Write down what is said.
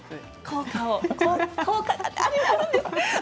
効果があるんですよ。